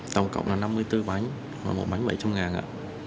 tổng cộng là năm mươi bốn bánh một bánh bảy trăm linh ngàn ạ